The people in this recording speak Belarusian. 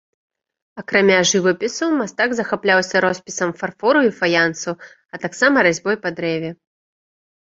Акрамя жывапісу, мастак захапляўся роспісам фарфору і фаянсу, а таксама разьбой па дрэве.